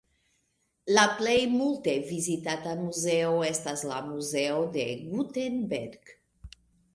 La plej multe vizitata muzeo estas la Muzeo de Gutenberg.